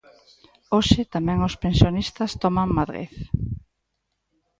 Hoxe tamén os pensionistas toman Madrid.